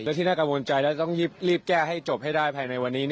และที่น่ากังวลใจแล้วต้องรีบแก้ให้จบให้ได้ภายในวันนี้